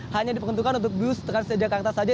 hanya diperuntukkan untuk bus transjakarta saja